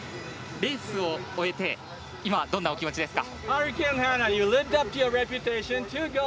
レースを終えて今どんなお気持ちですか。